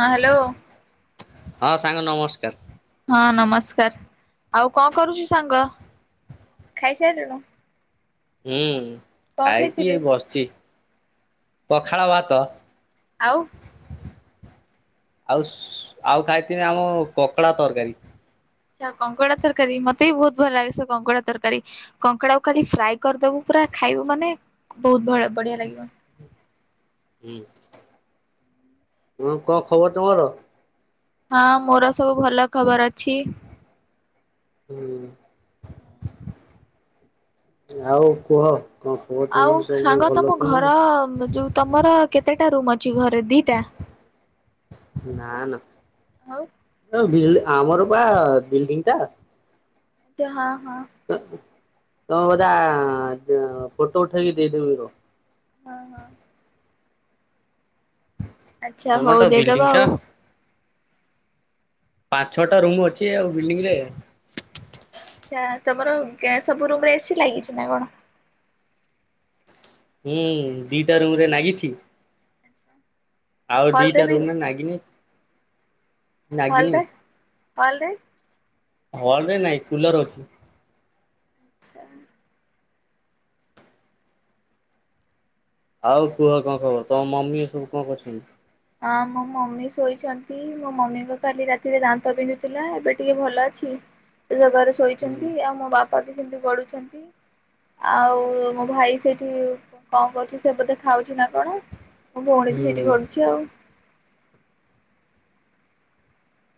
ହଁ, ହ୍ୟାଲୋ। ହଁ ସାଙ୍ଗ, ନମସ୍କାର। ହଁ ନମସ୍କାର। ଆଉ କଣ କରୁଚୁ ସାଙ୍ଗ, ଖାଇସାଇଲୁଣୁ? ହୁଁ, ଖାଇକି ଖାଇଥିଲୁ ଏଇ ବସିଛି। ପଖାଳ ଭାତ। ଆଉ ଆଉସ୍, ଆଉ ଖାଇଥିନି ଆମ କଙ୍କଡା ତରକାରୀ। ଆଚ୍ଛା, କଙ୍କଡା ତରକାରୀ? ମତେ ବି ବହୁତ ଭଲ ଲାଗେ ସେ କଙ୍କଡା ତରକାରୀ। କଙ୍କଡାକୁ ଖାଲି ଫ୍ରାଏ କରିଦବୁ ପୁରା ଖାଇବୁ ମାନେ, ବହୁତ ଭ-ବଢିଆ ଲାଗିବ। ହୁଁ। ମୁଁ କଣ ଖବର ତମର? ହଁ, ମୋର ସବୁ ଭଲ ଖବର ଅଛି। ହୁଁ। ଆଉ କୁହ। କଣ ଖବର ଆଉ ତମର ସବୁ ସାଙ୍ଗ ଭଲ ତମ ତ ନୁହଁ? ଘର, ଯୋଉ ତମର କେତେଟା ରୁମ୍ ଅଛି, ଘରେ ଦିଟା? ନା ନା, ଆଉ ଆ ବିଲ୍ ଆମର ବା ବିିଲ୍ଡିଂଟା। ଆଚ୍ଛା, ହଁ ହଁ। ତ ତମେ ବୋଧା ଫୋଟୋ ଉଠେଇକି ଦେଇଦେବ [unintelligible] ହଁ ହଁ। ଆଚ୍ଛା ହଉ ଆମରଟା ଦେଇଦବା ଆଉ। ବିିଲ୍ଡିଂଟା। ପାଞ୍ଚ ଛଅଟା ରୁମ ଅଛି ଆଉ ବିଲଡିଂରେ। ଆଚ୍ଛା। ତମର ଗେ ସବୁ ରୁମରେ ଏସି ଲାଗିଛି ନା କଣ? ହୁଁ, ଦିଟା ରୁମରେ ନାଗିଛି [inaudible] ଆଉ ହଲରେ ଦିଟା ବି ରୁମରେ ନାଗିନି। ନାଗିନି। ହଲରେ, ହଲରେ? ହଲରେ ନାଇଁ, କୁଲର ଅଛି। ଆଚ୍ଛା। ଆଉ କୁହ କଣ ଖବର? ତମ ମମି ଏ ସବୁ କଣ କରୁଛନ୍ତି? ହଁ ମୋ ମମି ଶୋଇଛନ୍ତି, ମୋ ମମିଙ୍କ କାଲି ରାତିରେ ଦାନ୍ତ ବିିନ୍ଧୁଥିଲା, ଏବେ ଟିକେ ଭଲ ଅଛି। ଗୋଟେ ଜାଗାରେ ହୁଁ ଶୋଇଛନ୍ତି, ଆଉ ମୋ ବାପା ବି ସେମତି ଗଡୁଛନ୍ତି। ଆଉ ମୋ ଭାଇ ସେଇଠି କଣ କରୁଛି, ସେ ବୋଧେ ଖାଉଛି ନା କଣ? ମୋ ଭଉଣୀ ତ ହୁଁ ସେଇଠି ଗଡୁଛି ଆଉ।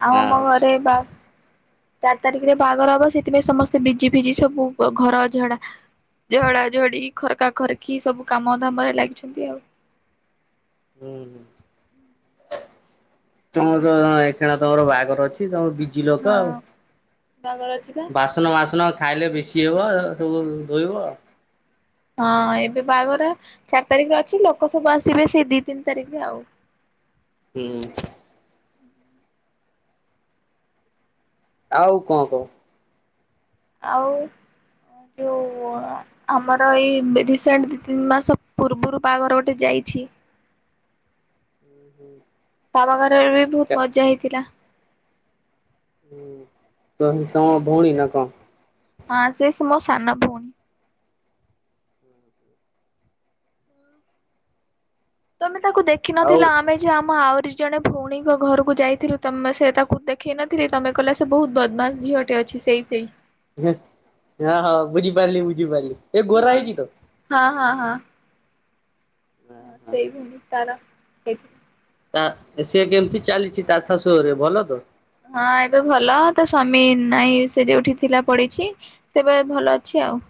ଆଉ ଆମ ଆଚ୍ଛା ଘରେ ବା ଚାରି ତାରିକରେ ବାହାଘର ହବ, ସେଥିପାଇଁ ସମସ୍ତେ ବିଜି ଫିଜି ସବୁ। ଆ ଘର ଝଡ଼ା ଝଡ଼ା ଝଡ଼ି ଖରକା ଖରକି ସବୁ କାମ ଧାମ ରେ ଲାଗିଛନ୍ତି ଆଉ। [inaudible] ତମ ତ ଏ ଖେଣା ତମର ବାହାଘର ଅଛି ତମେ ବିଜି ଲୋକ ଆଉ। ବାଘର ଅଛି। ପା। ବାସନ ମାସନ ଖାଇଲେ ବେଶି ହେବ ଏରା ସବୁ ଧୋଇବ। ହଁ ଏବେ ବାହାଘର ଚାରି ତାରିଖିରେ ଅଛି ଲୋକ ସବୁ ଆସିବେ ସେଇ ଦି ତିନି ତାରିଖିରେ ଆଉ। ହୁଁ। ଆଉ କଣ କହ? ଆଉ ଅ ଯୋଉ ଆମର ଏଇ ରିସେଣ୍ଟ ଦିଇ ତିନି ମାସ ପୂର୍ବରୁ ବାହାଘର ଗୋଟେ ଯାଇଛି। ଉଁ ହୁଁ। ତା ବାହାଘରରେ ବି ବହୁତ୍ ମଜା ହେଇଥିଲା। ଉଁ ତୁନ ତମ ଭଉଣୀ ନା କଣ? ହଁ ସେ ସେ ମୋ ସାନ ଭଉଣୀ। [inaudible] ତମେ ତାକୁ ଆଉ ଦେଖିନଥିଲ ଆମେ ଯେ ଆମ ଆହୁରି ଜଣେ ଭଉଣୀଙ୍କ ଘରକୁ ଯାଇଥିଲୁ ତମେ ସେ ତାକୁ ଦେଖେଇ ନଥିଲି ତମେ କହିଲ ସେ ବହୁତ୍ ବଦମାସ୍ ଝିଅ ଟେ ଅଛି ସେଇ ସେଇ। ହଁ ହଁ ବୁଝିପାରିଲି ବୁଝିପାରିଲି ଏ ହଁ ଗୋରା ହେଇ କି ତ? ହଁ ହଁ ହଁ। ହଁ ସେଇ ଭେଣ୍ଡି ତାର ହେଇଥିଲା। ତା ସେ କେମିତି ଚାଲିଛି ତା ଶାଶୁ ଘରେ ଭଲ ତ? ହଁ ଏବେ ଭଲ ତା ସ୍ୱାମୀ ନାଇଁ ସେ ଯୋଉଠି ଥିଲା ପଳେଇଛି। ସେ ଏବେ ଭଲ ଅଛି ଆଉ।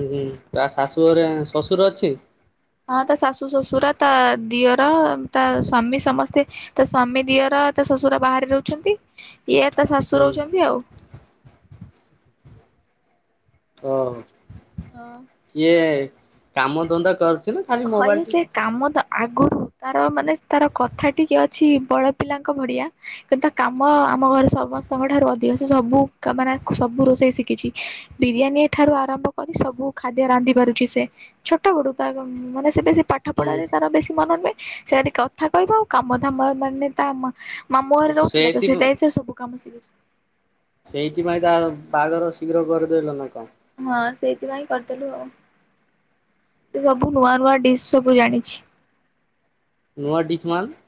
ହୁଁ ହୁଁ ତା ଶାଶୁ ଘରେ ଶ୍ୱଶୁର ଅଛି? ହଁ ତା ଶାଶୁ ଶଶୁର ତା ଦିଅର ତା ସ୍ଵାମୀ ସମସ୍ତେ ତା ସ୍ବାମୀ ଦିଅର ତା ଶ୍ୱଶୁର ବାହାରେ ରହୁଛନ୍ତି ଇଏ ତା ଶାଶୁ ହୁଁ ରହୁଛନ୍ତି ଆଉ। ଓ କିଏ କାମ ଧନ୍ଦା କରୁଚି ନା? ଖାଲି ହଁ ମୋବାଇଲ ଇଏ ସେ ଟିପୁଛି? କାମ ତ ଆଗୁରୁ ତାର ମାନେ ତାର କଥା ଟିକେ ଅଛି ବଡ଼ ପିଲାଙ୍କ ଭଳିଆ କିନ୍ତୁ ତା କାମ ଆମ ଘରେ ସମ ସ୍ତଙ୍କ ଠାରୁ ଅଧିକ ସେ ସବୁ ମାନେ ସବୁ ରୋଷେଇ ଶିକିଚି। ବିରିୟାନୀ ଠାରୁ ଆରମ୍ଭ କରି ସବୁ ଖାଦ୍ୟ ରାନ୍ଧି ପାରୁଛି ସେ ଛୋଟ ବଡୁ ତା ମାନେ ସେ ବେଶୀ ପାଠ ହୁଁ ପଢ଼ାରେ ତାର ବେଶୀ ମନ ନୁହେଁ। ସେ ଯଦି କଥା କହିବ ଆଉ କାମଧାମ ମାନେ ତା ମା ମାମୁଁ ଘରେ ରହୁଥିଲା ତ ସେଇଥି ସେଇଥିପାଇଁ ସେ ସବୁ କାମ ଶିକିଛି। ସେଇଥିପାଇଁ ତା ବାଆଘର ଶୀଘ୍ର କରିଦେଲ ନାଁ କଣ? ହଁ ସେଇଥିପାଇଁ କରିଦେଲୁ ଆଉ। ସେ ସବୁ ନୂଆ ନୂଆ ଡିସ୍ ସବୁ ଜାଣିଛି। ନୂଆ ଡିସ୍ ମାନେ?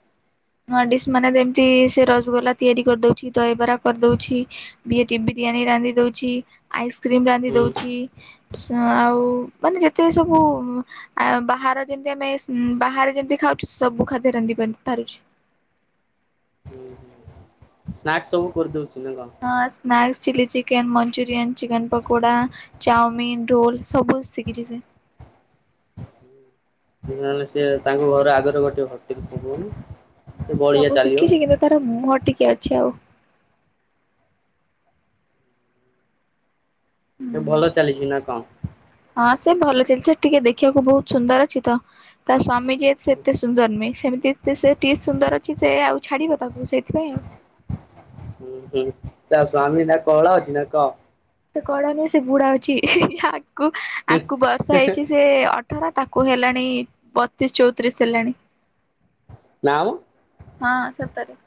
ନୂଆ ଡିସ୍ ମାନେ ଯେମିତି ସେ ରସଗୋଲା ତିଆରି କରିଦଉଛି ଦହିବରା କରିଦଉଛି ବିଟି ବିରିୟାନୀ ରାନ୍ଧି ଦଉଛି ଆଇସ୍କ୍ରିମ ରାନ୍ଧି ହୁଁ ଦଉଛି। ସ ଆଉ ମାନେ ଯେତେ ସବୁ ଆ ବାହାର ଯେମିତି ଆମେ ସ ବାହାରେ ଯେମିତି ଖାଉଛୁ ସବୁ ଖାଦ୍ୟ ରାନ୍ଧି ପାରୁଛି। ହୁଁ ହୁଁ ସ୍ନାକ୍ସ ସବୁ କରିଦଉଛି ନା କଣ? ହଁ snacks chilli chicken Manchurian chicken pakoda chowmein roll ସବୁ ଶିକିଛି ସେ। ନହେଲେ ସେ ତାଙ୍କ ଘର ଆଗରେ ଗୋଟେ ହୋଟେଲ୍ ଖୋଲିବନି? ହଁ ସେ ସବୁ ଶିଖିଛି କିନ୍ତୁ ତାର ମୁହଁ ଟିକେ ଅଛି ଆଉ। ଏ ହୁଁ ଭଲ ଚାଲିଚି ନାଁ କଣ? ହଁ ସେ ଭଲ ଚିଲ ସେ ଟିକେ ଦେଖିବାକୁ ବହୁତ ସୁନ୍ଦର ଅଛି ତ ତା ସ୍ଵାମୀ। ଯିଏ ସେ ଏତେ ସୁନ୍ଦର ନୁହେଁ ସେମିତି ସେ ଟିକେ ସୁନ୍ଦର ଅଛି ସେ ଆଉ ଛାଡିବ ତାକୁ ସେଇଥିପାଇଁ ଆଉ। ହୁଁ ହୁଁ ତା ସ୍ୱାମୀ ନା କଳା ଅଛି ନା କ ସେ କଳା ନୁହେଁ ସେ ବୁଢା ଅଛି ଆ ଆକୁ ବୟସ ହେଇଛି ସେ ଅ ଠର ତାକୁ ହେଲାଣି ବତିଶ ଚଉତିରିଶ ହେଲାଣି। ନା ମ। ହଁ ସତରେ।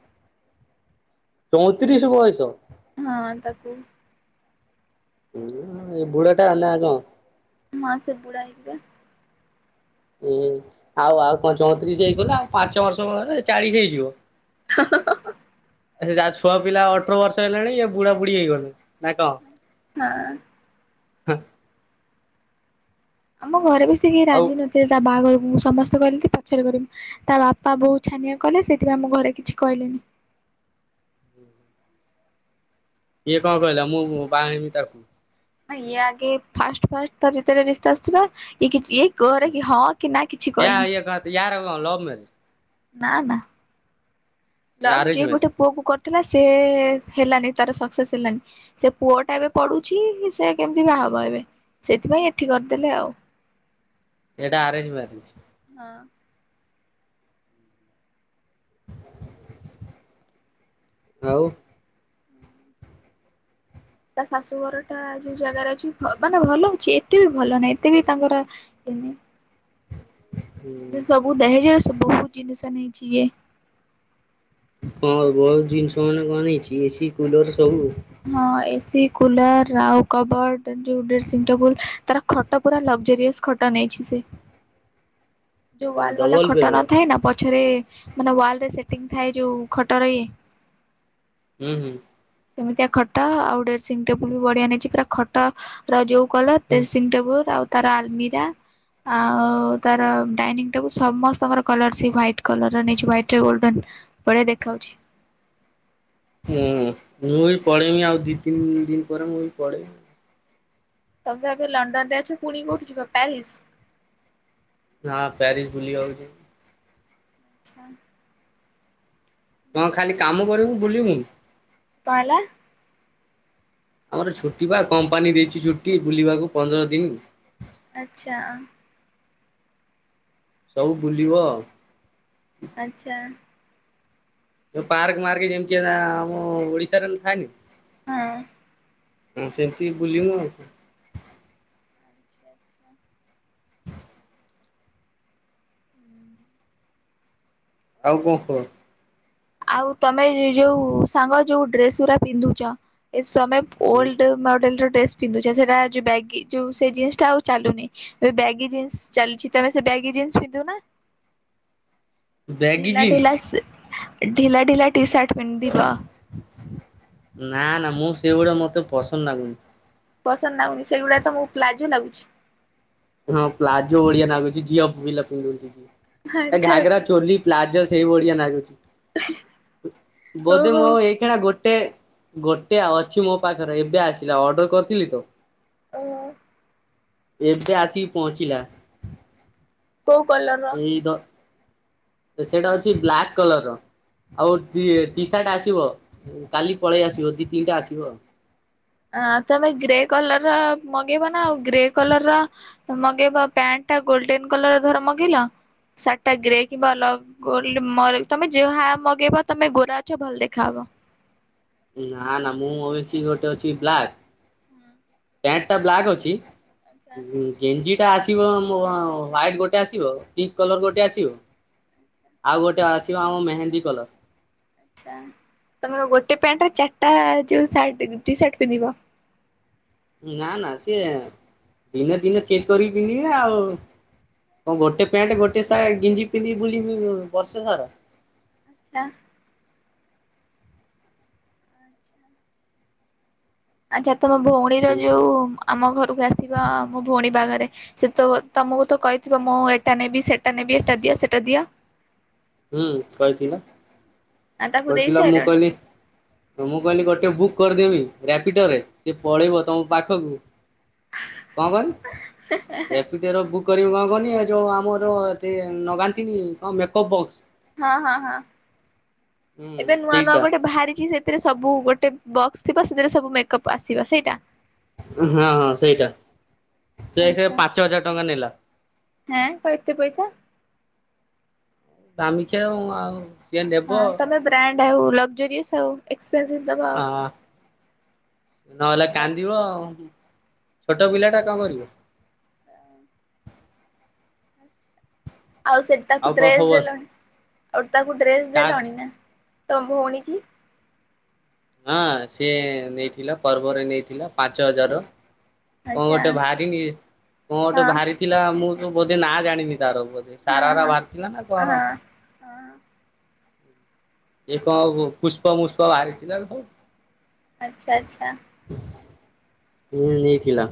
ଚଉତିରିଶ ବୟସ? ହଁ ତାକୁ। ହୁଁ ଏ ବୁଢା ଟା ନା କଁ। ନାଁ ସେ ହେଇନି ବା। ଉଁ ଆଉ ଆଉ କଁ ଚଉତିରିଶ ହେଇଗଲା ଆଉ ପାଞ୍ଚ ବର୍ଷ ବଡ ହେଲେ ଚାଳିଶ ହେଇଯିବ। ହଁ ହଁ ହଁ। ଏ ସେ ଯାହା ଛୁଆ ପିଲା ଅଠର ବର୍ଷ ହେଲେଣି ଇଏ ବୁଢା ବୁଢୀ ହେଇଗଲେ ନା କଁ। ହଁ। ଆମ ଘରେ ବି ସେଇ ଆଉ ରାଜି ନଥିଲେ ତା ବାହାଘରକୁ ସମସ୍ତେ କହିଲେ କି ପଛରେ କରିବୁ। ତା ବାପା ବୋଉ ଛାନିଆ କଲେ ସେଇଥି ପାଇଁ ଆମ ଘରେ କିଛି କହିଲେନି। ଇଏ କଁ କହିଲା ମୁଁ ବାହା ହେମି ତାକୁ? ହଁ ଇଏ ଆଗେ ଫାଷ୍ଟ ଫାଷ୍ଟ ତାର ଯେତେ ବେଳେ ରିସ୍ତା ଆସିଥିଲା ଇଏ କିଛି ଏଇ କରେ କି ହଁ କି ନା କିଛି ୟା କହିନି। ୟେ କା ୟାରଁ କଁ ଲଭ ମ୍ୟାରେଜ। ନା ନା ଲଭ୍ ଆରେଞ୍ଜ ଯିଏ ଗୋଟେ ମ୍ୟାରେଜ ପୁଅକୁ କର ଥିଲା ସେ ହେଲାନି ତାର ସକ୍ସେସ୍ ହେଲାନି। ସେ ପୁଅ ଟା ଏବେ ପଡୁଛି ସେ କେମିତି ବାହା‌ ହବ ଏବେ ସେଥିପାଇଁ ଏଠି କରିଦେଲେ ଆଉ। ଏଇଟା ଆରେଞ୍ଜ ମାରେଜ୍। ହଁ। ଆଉ। ତା ଶାଶୁ ଘର ଟା ଯୋଉ ଜାଗାରେ ଅଛି ଭ ମାନେ ଭଲ ଅଛି ଏତେ ବି ଭଲ ନାହିଁ ଏତେ ବି ତାଙ୍କର ଇଏ ନାଇଁ। ଇଏ ସବୁ ଦହେଜ ରେ ସବୁ ବହୁତ ଜିନିଷ ନେଇଛି ଇଏ। ହଁ ବହୁତ ଜିନିଷ ବୋଇଲେ କଣ ନେଇଛି ଏସିି କୁଲର ସବୁ। ହଁ ଏସି କୁଲର ଆଉ କବଡ ଯୋଉ ଡ୍ରେସିଂ ଟେବୁଲ ତାର ଖ ଟ ପୁରା ଲକ୍ଜରିୟସ୍ ଖଟ ନେଇଛି ସେ। ଯୋଉ ହଁ ୱାଲ୍ ବାଲା ଡବଲ ଖଟ ବେଡ୍ ର ନଥାଏ ନା ପଛରେ ମାନେ ୱାଲ୍ ରେ ସେଟିଂ ଥାଏ ଯୋଉ ଖଟରେ। ଉଁ ହୁଁ। ସେମିତିଆ ଖଟ ଆଉ ଡ୍ରେସିଂ ଟେବୁଲ୍ ବି ବଢିଆ ନେଇଛି ପୁର ଖଟ ର ଯୋଉ କଲର ଡ୍ରେସିଂ ଟେବୁଲ ଆଉ ତାର ଆଲମିରା ଆଉ ତାର ଡାଇନିଂ ଟେବୁଲ ସମସ୍ତଙ୍କର କଲର ସେ ହ୍ୱାଇଟ। କଲର ର ନେଇଛି ହ୍ୱାଇଟ ରେ ଗୋଲଡେନ ବଢିଆ ଦେଖାଯାଉଛି। ହୁଁ ମୁଁ ବି ପଳେଇମି ଆଉ ଦିଇ ତିନି ଦିନ ପରେ ମୁଁ ବି ପଳେଇବି। ତମେ ବା ଏବେ ଲଣ୍ଡନ ରେ ଅଛ ପୁଣି କୋଉଠି କି ଯିବ ପ୍ୟାରିସ। ହଁ ପ୍ୟାରିସ ବୁଲିିବାକୁ ଯିମି। ଆଚ୍ଛା। କଁ ଖାଲି କାମ କରିବୁ ବୁଲିବୁନୁ। କାଁ ହେଲା। ଆମର ଛୁଟି ବା କମ୍ପାନୀ ଦେଇଛି ଛୁଟି ବୁଲିବାକୁ ପନ୍ଦର ଦିନ। ଆଚ୍ଛା ସବୁ ବୁଲିବ। ଆଚ୍ଛା। ଯୋଉ ପାର୍କ ମାର୍କ ଯେମିତିଆ, ଆମ ଓଡିଶାରେ ବି ଥାଏନି। ହଁ ହଁ ସେମିତି ବୁଲିବୁ ଆଉ। ଆଛା ଆଛା। ହୁଁ ଆଉ କଣ କୁହ? ଆଉ ତମେ ଯେଉଁ ସାଙ୍ଗ ଯେଉଁ ଡ୍ରେସ୍ ଗୁଡ଼ା ପିନ୍ଧୁଛ, ଏ [unintelligible] ଓଲ୍ଡ ମଡ଼େଲ୍ର ଡ୍ରେସ୍ ପିନ୍ଧୁଛ, ସେଇଟା ହେଉଛି ବ୍ୟାଗି, ଯେଉଁ ସେ ଜିନିସଟା ଆଉ ଚାଲୁନି। ଏ ବ୍ୟାଗି ଜିନ୍ସ ଚାଲିଛି, ତମେ ସେ ବ୍ୟାଗି ଜିନ୍ସ ପିନ୍ଧୁନା? ବ୍ୟାଗି ଢିଲା ଜିନ୍ସ ଢିଲା, ଢିଲା ଢିଲା, ଟି ସାର୍ଟ ପିନ୍ଧିବ। ନା ନା ମୁଁ ସେଗୁଡା ମତେ ପସନ୍ଦ ନାଗୁନି। ପସନ୍ଦ ନାଗୁନି ସେଇଗୁଡା ତ ମ ପ୍ଲାଜୋ ଲାଗୁଛି। ହଁ ପ୍ଲାଜୋ ଭଳିଆ ଲାଗୁଛିି, ଝିଅ ପିଲା ପିନ୍ଧନ୍ତି ଯୋଉ, ଆଚ୍ଛା ଘାଗରା ଚୋଲି ପ୍ଲାଜୋ ସେଇ ଭଳିଆ ଲାଗୁଛି, ବୋଧେ ଓହୋ। ମୋ ଏଇ [unintelligible] ଗୋଟେ ଗୋଟେ ଅଛି ମୋ ପାଖରେ, ଏବେ ଆସିଲା, ଅର୍ଡର କରିଥିଲି ତ? [unintelligible] ଏବେ ଆସିକି ପହଞ୍ଚିଲା। କୋଉ କଲର ର? ତ ସେଇଟା ଅଛି ବ୍ଲାକ୍ କଲର ର। ଆଉ ଟି ସାର୍ଟ ଆସିବ, କାଲି ପଳେଇ ଆସିବ, ଦି ତିନିଟା ଆସିବ ଆଉ। ଆ ତମେ ଗ୍ରେ କଲର ର ମଗେଇବ ନା, ଆଉ ଗ୍ରେ କଲର ର ମଗେଇବା ପ୍ୟାଣ୍ଟ ଟା ଗୋଲଡେନ କଲର ଧର ମଗେଇଲ, ସାର୍ଟ ଟା ଗ୍ରେ କିମ୍ବା ଅଲଗ ଗୋଲଡ ମଲ, ତମେ ଯାହା ମଗେଇବ ତମେ ଗୋରା ଅଛ, ଭଲ ଦେଖାହବ। ନା ନା, ମୁଁ ମଗେଇଛି ଗୋଟେ ଅଛି ବ୍ଲାକ୍, ପ୍ୟାଣ୍ଟ ଟା ବ୍ଲାକ୍ ଅଛି ଆଚ୍ଛା ଗେଞ୍ଜି ଟା ଆସିବ ମୋ, ହ୍ୱାଇଟ ଗୋଟେ ଆସିବ, ପିଙ୍କ କଲର ଗୋଟେ ଆସିବ। ଆଚ୍ଛା ଆଉ ଗୋଟେ ଆସିବ ଆମ ମେହେନ୍ଦୀ କଲର। ଆଛା, ତମେ ଗୋଟେ ପ୍ୟାଣ୍ଟରେ ଚାରିଟା ଯୋଉ ସାର୍ଟ ଟିସାର୍ଟ ପିନ୍ଧିବ? ନା ନା, ସିଏ ଦିନେ ଦିନେ ଚେଜ କରିକି ପିନ୍ଧିବିନା ଆଉ। କଁ ଗୋଟେ ପ୍ୟାଣ୍ଟ ଗୋଟେ ସାର୍ଟ ଗେଞ୍ଜି ପିନ୍ଧି ବୁଲିବୁ ବର୍ଷ ସାରା। ଆ ଆଛା। ଆଛା ତମ ଭଉଣୀର ହୁଁ ଯୋଉ ଆମ ଘରକୁ ଆସିବା ମୋ ଭଉଣୀ ବାଘରେ ସେ ତ ତମକୁ ତ କହିଥିବ ମୁଁ ଏଟା ନେବି ସେଟା ନେବି ଏଟା ଦିଅ ସେଟା ଦିଅ। ହୁଁ କହିଥିଲା। ଆ ତାକୁ ଦେଇ କହିଥିଲା ମୁଁ ସାଇଲଣି କହିଲି ତ ମୁଁ କହିଲି ଗୋଟେ ବୁକ୍ କରିଦେବି, ରାପିଡୋ ରେ, ସିଏ ପଳେଇବ ତମ ପାଖକୁ। [unintelligible] ର ଭୁକ କରି ହବନି ଯେଉଁ ଆମର ଏ ଲଗାନ୍ତିନି କଣ ମେକଅପ୍ ବକ୍ସ? ହଁ ହଁ ହଁ, ହୁଁ ଏବେ ନୂଆ ନୂଆ ସେଇଟା ଗୋଟେ ବାହାରିଛି ସେ ସେଥିରେ ସବୁ ଗୋଟେ ବକ୍ସ ଥିବ, ସେଥିରେ ସବୁ ମେକଅପ୍ ଆସିବା ସେଇଟା। ହଁ ହଁ ସେଇଟା, ସେ ସେ ପାଞ୍ଚ ହଜାର ଟଙ୍କା ନେଲା। ନା, କଣ ଏତେ ପଇସା? ଦାମିକିଆ ଆଉ ଆଉ ସିଏ ନେବ ହଁ ତମେ ବ୍ରାଣ୍ଡ ହଉ, ଲକଜରିଅସ ହଉ, ଏକ୍ସପେନସିଭ ଦବା ଆ ଆଉ। ନହେଲେ ଆଚ୍ଛା ଆଚ୍ଛା। କାନ୍ଦିବ ଆଉ ଛୋଟ ପିଲା ଟା କଣ କରିବ? ଆଉ ସେଠି ଆଉ ତାକୁ କଣ ଡ୍ରେସ ଖବର ଦେଲଣି? ଆଉ ତାକୁ ଡ୍ରେସ ତା ଦେଲଣି ନା, ତମ ଭଉଣୀ କି? ହଁ ସିଏ ନେଇଥିଲା, ପର୍ବରେ ନେଇଥିଲା ପାଞ୍ଚ ହଜାର ର। କଣ ଆଚ୍ଛା ଗୋଟେ ଭାରିନି, କଣ ଗୋଟେ ହଁ ବାହାରିଥିଲା, ମୁଁ ତ ବୋଧେ ନା ଜାଣିନି ତାର ବୋଧେ। ହଁ ହଁ ସାରାରା ହଁ। ବାହାରିଥିଲା ନା କଣ? ହଁ ଏ କଣ ପୁଷ୍ପ ମୁୁଷ୍ପ ବାହାରିଥିଲା [unintelligible] ଆଚ୍ଛା ଆଚ୍ଛା। ମୁ ନେଇ ଥିଲା।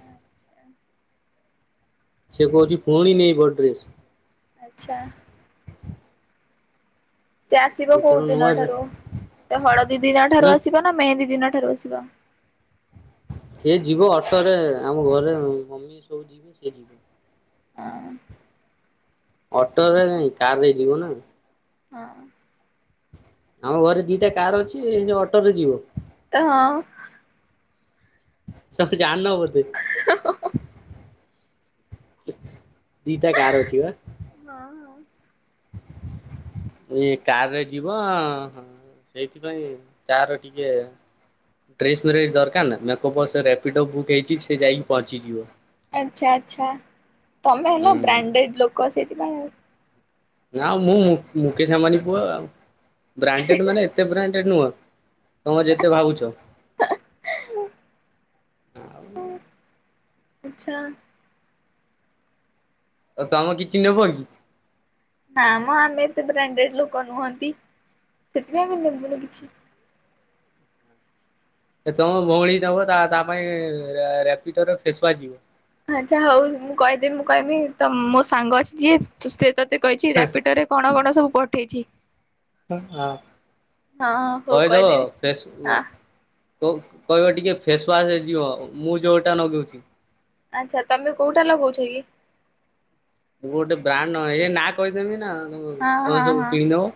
ଆଚ୍ଛା ସେ କହୁଛି ପୁଣି ନେଇ ବଡ୍ରେସ। ଆଛା। ସେ ଆସିବ କୋଉ ଏଥର ଦିନ ନୂଆ ଠାରୁ ସେ ହଳଦୀ ଦିନ ଠାରୁ ହୁଁ ଆସିବ ନା ମେହେନ୍ଦୀ ଦିନ ଠାରୁ ଆସିବ? ସି ଯିବ ଅଟୋରେ ଆମ ଘରେ ମମି ସବୁ ଯିବେ ସେ ଯିବ। [unintelligible] ଅଟୋରେ ନାଇଁ କାର ରେ ଯିବ ନା। ହଁ। ଆମ ଘରେ ଦିଟା କାର ଅଛି। ଅଟୋରେ ଯିବ? ହଁ। ତମେ ଯାଣିନ ବୋଧେ। ହଁ। ଦିଟା କାର ଅଛି ବା। ହଁ ହଁ। ଏଇ କାରରେ ଯିବ ସେଇଥିପାଇଁ ତାର ଟିକେ ଡ୍ରେସ ମ ଦରକାର ନା କ ରାପିଡ ବୁକ୍ ହେଇଛି ସେ ଯାଇକି ପହଞ୍ଚିଯିବ। ଆଚ୍ଛା ଆଚ୍ଛା ତମେ ହୁଁ ହେଲ ବ୍ରାଣ୍ଡେଡ ଲୋକ ସେଇଥିପାଇଁ ଆଉ। ନାଉ ମୁଁ ମୁକେଶ ଆମ୍ବାନୀ ପୁଅ ଆଉ ବ୍ରାଣ୍ଡେଡ ମାନେ ଏତେ ବ୍ରାଣ୍ଡେଡ ନୁହଁ। ତମେ ଯେତେ ଭାବୁଛ ଆଉ। ଆଚ୍ଛା। ଆଉ ତମେ କିଛି ନେବ କି? ନା ମ ଆମେ ଏତେ ବ୍ରାଣ୍ଡେଡ ଲୋକ ନୁହନ୍ତି ସେଥିପାଇଁ ବି ନେବୁନି କିଛି। ତମ ଭଉଣୀ ଦବ ତା ତା ପାଇଁ ରାପିଡ ର ଫେସୱାଚ ଯିବ। ଆଚ୍ଛା ହଉ ମୁଁ କହିଦେବି ମୁଁ କହିବି ତ ମୋ ସାଙ୍ଗ ଅଛି ଯିଏ ସେ ତତେ କହିଛି ରାପିଟ ରେ କଣ କଣ ସବୁ ପଠେଇଛି। ହଁ ହଁ ହଉ କହିଦବ କହିଦେବି। ଫେସ୍ ହଁ କହିବ ଟିକେ ଫେସୱାଶ ହେଇଯିବ ମୁଁ ଯୋଉଟା ନଗଉଛି। ଆଚ୍ଛା ତମେ କୋଉଟା ଲଗଉଛ କି? ମୁଁ ଗୋଟେ ବ୍ରାଣ୍ଡ ନ ଏ ନାଁ କହିଦେମି ନା ହଁ ତମେ ହଁ ସବୁ ହଁ। କିଣିଦବ।